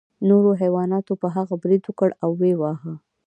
نورو حیواناتو په هغه برید وکړ او ویې واهه.